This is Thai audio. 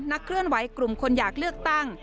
เคลื่อนไหวกลุ่มคนอยากเลือกตั้ง